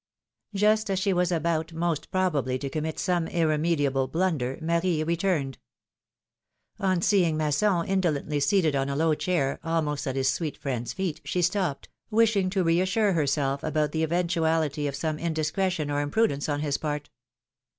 Just as she was about most probably to commit some irremediable blunder, Marie returned. On seeing Masson indolently seated on a low chair, almost at his sweet friend's feet, she stopped, wishing to reassure herself about the eventuality of some indiscretion or imprudence on his part.